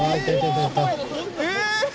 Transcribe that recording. えっ！